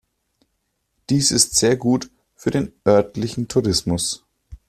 Dies ist sehr gut für den örtlichen Tourismus.